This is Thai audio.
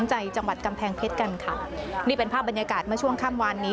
ใจจังหวัดกำแพงเพชรกันค่ะนี่เป็นภาพบรรยากาศเมื่อช่วงค่ำวานนี้